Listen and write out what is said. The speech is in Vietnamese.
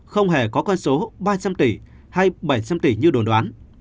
không hề có con số ba trăm linh tỷ hay bảy trăm linh tỷ như đồn đoán